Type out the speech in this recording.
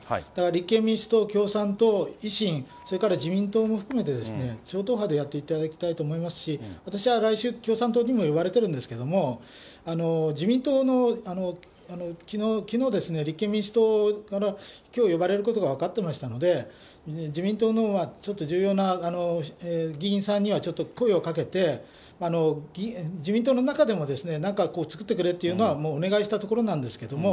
立憲民主党、共産党、維新、それから自民党も含めて、超党派でやっていただきたいと思いますし、私は来週、共産党にも呼ばれてるんですけど、自民党の、きのうですね、立憲民主党からきょう呼ばれることが分かってましたので、自民党のちょっと重要な議員さんにはちょっと声をかけて、自民党の中でもなんか作ってくれっていうのはお願いしたところなんですけども。